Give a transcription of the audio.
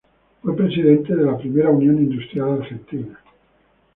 Fue presidente de la primera Unión Industrial Argentina.